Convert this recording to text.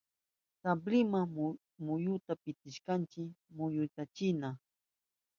Sabliwa rumita pitishpanchi mutyuyachinchi.